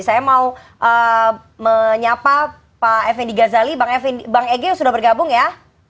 saya mau menyapa pak f indy ghazali bang ege sudah bergabung ya